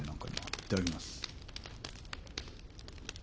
いただきます。